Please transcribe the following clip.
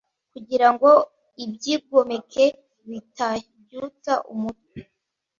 kugira ngo ibyigomeke bitabyutsa umutwe